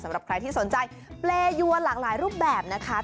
สำหรับใครที่สนใจเปรยวนหลากหลายรูปแบบนะคะ